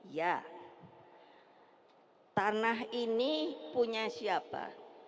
ya tanah ini punya siapa